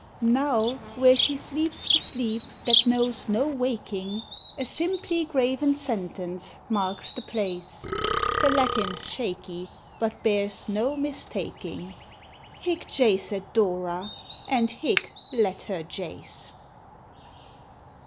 Now where she sleeps the sleep that knows no waking A simply graven sentence marks the place (The Latin's shaky but bears no mistaking): "Hic jacet DORA and hic let her jace."